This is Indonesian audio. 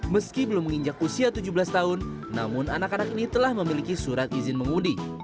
meski belum menginjak usia tujuh belas tahun namun anak anak ini telah memiliki surat izin mengudi